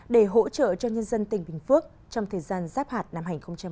để hỗ trợ cho nhân dân tỉnh bình phước trong thời gian giáp hạt năm hai nghìn hai mươi